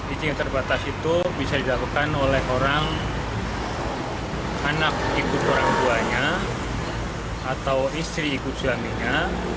izin yang terbatas itu bisa dilakukan oleh orang anak ikut orang tuanya atau istri ikut suaminya